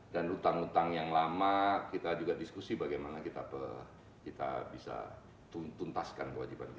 dan utang utang yang lama kita juga diskusi bagaimana kita bisa tuntaskan kewajiban kita